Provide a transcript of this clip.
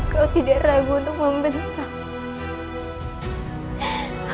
kau tidak ragu untuk membentang